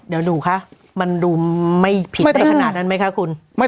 เดี๋ยวดูคะมันดูไม่ผิดได้ขนาดนั้นไหมคะคุณ